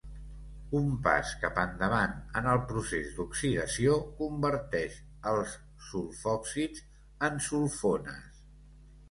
Un pas cap endavant en el procés d'oxidació converteix els sulfòxids en sulfones.